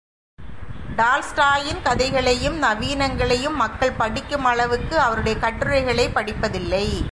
டால்ஸ்டாயின் கதைகளையும் நவீனங்களையும் மக்கள் படிக்கும் அளவுக்கு அவருடைய கட்டுரைகளைப் படிப்பதில்லை.